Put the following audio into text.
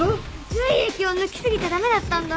髄液を抜き過ぎちゃダメだったんだ。